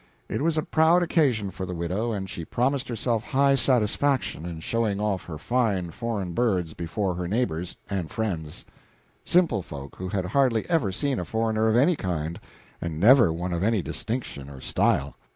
It was a proud occasion for the widow, and she promised herself high satisfaction in showing off her fine foreign birds before her neighbors and friends simple folk who had hardly ever seen a foreigner of any kind, and never one of any distinction or style.